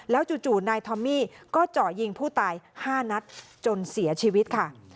จู่นายทอมมี่ก็เจาะยิงผู้ตาย๕นัดจนเสียชีวิตค่ะ